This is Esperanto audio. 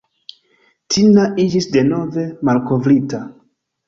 Tina iĝis denove "malkovrita".